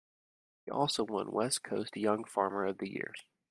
He also won West Coast Young Farmer of the Year.